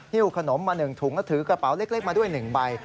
ิ้วขนมมา๑ถุงแล้วถือกระเป๋าเล็กมาด้วย๑ใบ